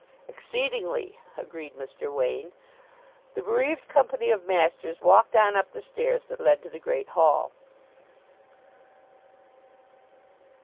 "Exceedingly," agreed Mr. Wain. The bereaved company of masters walked on up the stairs that led to the Great Hall.